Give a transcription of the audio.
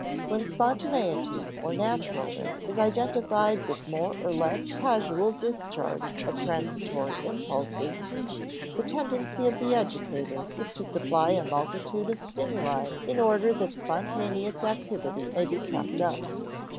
When spontaneity or naturalness is identified with more or less casual discharge of transitory impulses, the tendency of the educator is to supply a multitude of stimuli in order that spontaneous activity may be kept up.